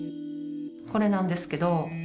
これなんですけど。